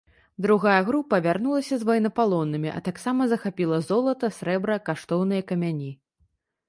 Другая група вярнулася з ваеннапалоннымі, а таксама захапіла золата, срэбра, каштоўныя камяні.